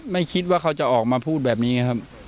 ไม่คิดว่าเขาจะออกมาพูดแบบนี้ครับ